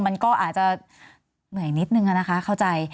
มันก็อาจจะเหนื่อยนิดนึงอะนะคะเข้าใจ